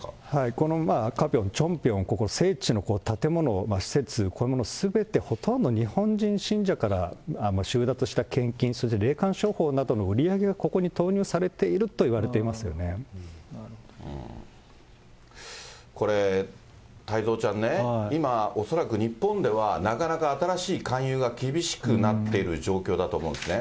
このカピョン、チョンピョン、聖地の建物、施設、こういうものすべてほとんど、日本人信者から収奪した献金、そして霊感商法の売り上げがここに投入されていると言われていまこれ、太蔵ちゃんね、今、恐らく日本ではなかなか新しい勧誘が厳しくなっている状況だと思うんですね。